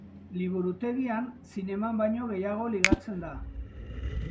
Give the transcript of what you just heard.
Liburutegian zineman baino gehiago ligatzen da.